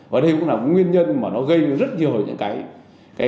và đây cũng là nguyên nhân mà nó gây rất nhiều những cái